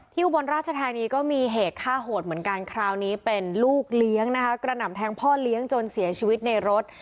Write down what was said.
อุบลราชธานีก็มีเหตุฆ่าโหดเหมือนกันคราวนี้เป็นลูกเลี้ยงนะคะกระหน่ำแทงพ่อเลี้ยงจนเสียชีวิตในรถ